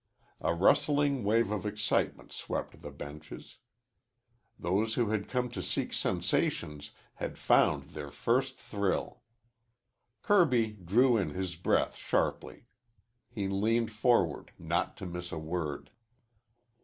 A rustling wave of excitement swept the benches. Those who had come to seek sensations had found their first thrill. Kirby drew in his breath sharply. He leaned forward, not to miss a word.